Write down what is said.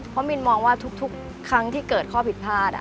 เพราะมินมองว่าทุกครั้งที่เกิดข้อผิดพลาด